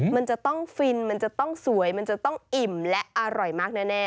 มันจะต้องฟินมันจะต้องสวยมันจะต้องอิ่มและอร่อยมากแน่